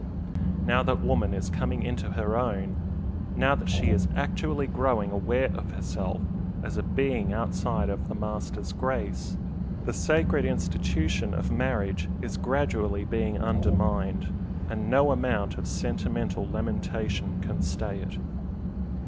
Now that woman is coming into her own, now that she is actually growing aware of herself as a being outside of the master's grace, the sacred institution of marriage is gradually being undermined, and no amount of sentimental lamentation can stay it.